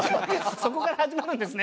そこから始まるんですね。